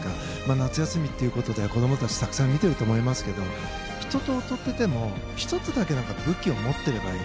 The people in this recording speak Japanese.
夏休みということで、子供たちはたくさん見ていると思いますけど人と劣っても１つだけ武器を持っていればいい。